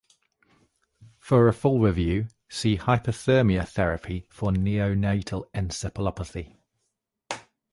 For a full review see Hypothermia therapy for neonatal encephalopathy.